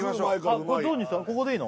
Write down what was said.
ここでいいの？